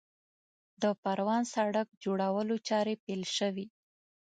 د پروان سړک جوړولو چارې پیل شوې